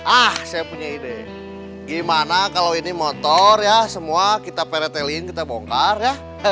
ah saya punya ide gimana kalau ini motor ya semua kita peretelin kita bongkar ya